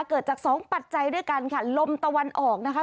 เกิดจากสองปัจจัยด้วยกันค่ะลมตะวันออกนะคะ